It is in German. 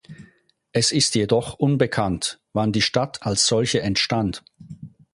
Es ist jedoch unbekannt, wann die Stadt als solche entstand.